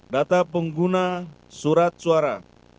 data pengguna surat suara